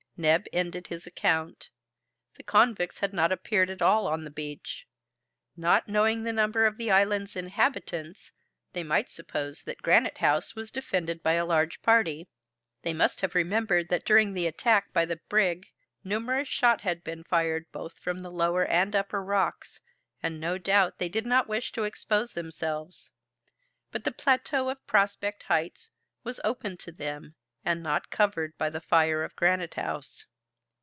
Neb ended his account. The convicts had not appeared at all on the beach. Not knowing the number of the island's inhabitants, they might suppose that Granite House was defended by a large party. They must have remembered that during the attack by the brig numerous shot had been fired both from the lower and upper rocks, and no doubt they did not wish to expose themselves. But the plateau of Prospect Heights was open to them, and not covered by the fire of Granite House.